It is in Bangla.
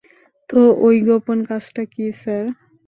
তো, ওই গোপন কাজটা কী, স্যার?